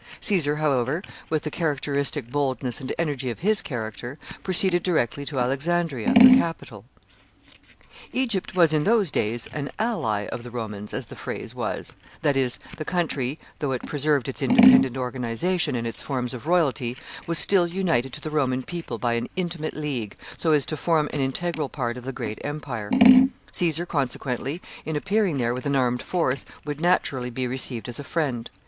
Caesar, however, with the characteristic boldness and energy of his character, proceeded directly to Alexandria, the capital. [Sidenote: Caesar at Alexandria.] Egypt was, in those days, an ally of the Romans, as the phrase was; that is, the country, though it preserved its independent organization and its forms of royalty, was still united to the Roman people by an intimate league, so as to form an integral part of the great empire. Caesar, consequently, in appearing there with an armed force, would naturally be received as a friend.